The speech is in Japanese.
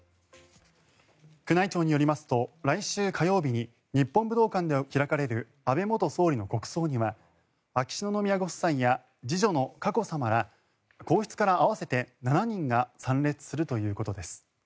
宮内庁によりますと来週火曜日に日本武道館で開かれる安倍元総理の国葬には秋篠宮ご夫妻や次女の佳子さまら皇室から合わせて７人が参列するということです。